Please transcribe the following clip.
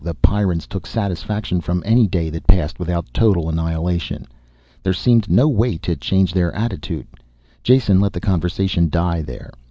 The Pyrrans took satisfaction from any day that passed without total annihilation. There seemed no way to change their attitude. Jason let the conversation die there.